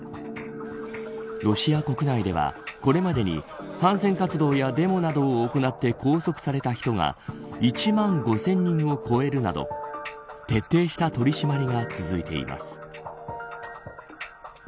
ロシア国内では、これまでに反戦活動やデモなどを行って拘束された人が１万５０００人を超えるなど徹底した取り締まりが続いています。